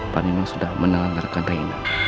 panino sudah menelankan reina